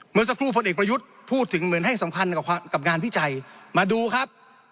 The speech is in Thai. เมื่อสักครู่พลเอกประยุทธ์พูดถึงเหมือนให้สำคัญกับงานวิจัยมาดูครับ